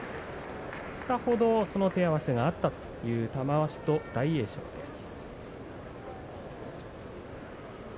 ２日ほど手合わせがあったという玉鷲と大栄翔です。